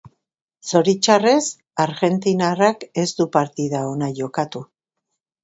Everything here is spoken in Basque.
Zoritxarrez argentinarrak ez du partida ona jokatu.